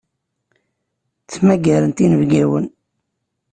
Ttmagarent inebgawen.